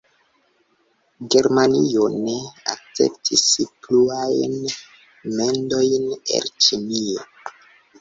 Germanio ne akceptis pluajn mendojn el Ĉinio.